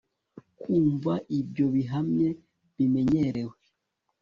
kumva ibyo bihamye, bimenyerewe